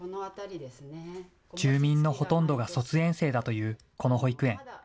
住民のほとんどが卒園生だというこの保育園。